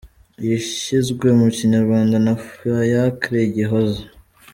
Yashyizwe mu Kinyarwanda na Fiacre Igihozo.